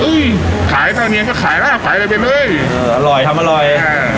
เอ้ยขายข้าวเนียงก็ขายล่ะขายเลยเป็นเลยอร่อยทำอร่อยอ่า